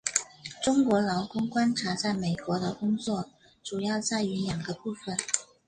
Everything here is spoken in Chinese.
中国劳工观察在美国的工作主要在于两个部份。